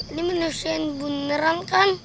ini manusia yang beneran kan